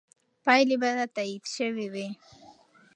پایلې به تایید شوې وي.